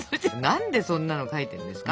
何でそんなの描いてるんですか？